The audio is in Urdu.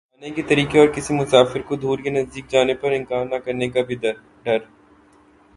آنے کے طریقے اور کسی مسافر کودور یا نزدیک جانے پر انکار نہ کرنے کا بھی در